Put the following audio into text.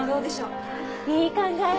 いい考え！